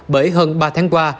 bởi hơn ba tháng qua